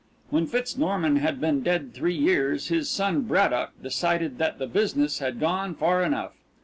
When Fitz Norman had been dead three years his son, Braddock, decided that the business had gone far enough.